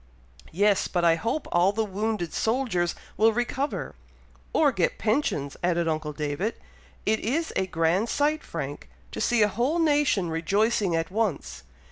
"Yes, but I hope all the wounded soldiers will recover." "Or get pensions," added uncle David. "It is a grand sight, Frank, to see a whole nation rejoicing at once!